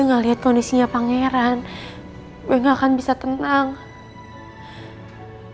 udah deh usus goreng gue gak terima alesan ya